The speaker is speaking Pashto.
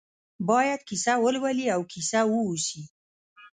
باید کیسه ولولي او کیسه واوسي.